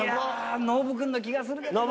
ノブくんの気がするけどね。